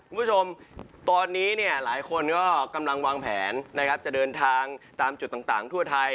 คุณผู้ชมตอนนี้เนี่ยหลายคนก็กำลังวางแผนนะครับจะเดินทางตามจุดต่างทั่วไทย